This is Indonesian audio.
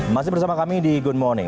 masih bersama kami di good morning